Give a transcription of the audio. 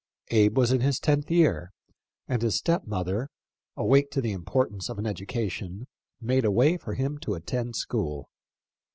Abe was in his tenth year, and his stepmother, awake to the importance of an educa tion, made a way for him to attend school.